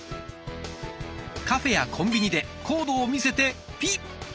カフェやコンビニでコードを見せてピッ！